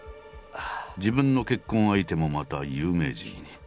自分の結婚相手もまた有名人。